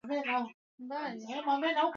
Maji mengi yalikuja